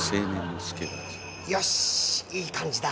よしいい感じだ！